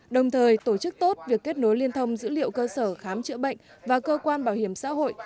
đồng thời tổ chức tốt việc kết nối liên thông dữ liệu cơ sở khám chữa bệnh và cơ quan bảo hiểm xã hội